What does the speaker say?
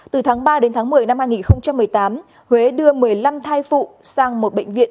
từ tháng ba đến tháng một mươi năm hai nghìn một mươi tám huế đưa một mươi năm thai phụ sang một bệnh viện